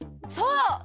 そう！